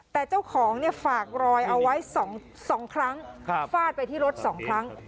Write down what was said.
แต่เจ้าของเนี่ยฝากรอยเอาไว้สองสองครั้งครับฟาดไปที่รถสองครั้ง